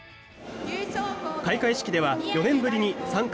開会式では４年ぶりに参加